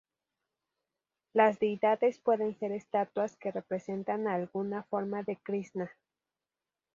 Las Deidades pueden ser estatuas que representan a alguna forma de Krisna.